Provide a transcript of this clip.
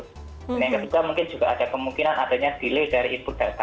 dan yang ketiga mungkin juga ada kemungkinan adanya delay dari input data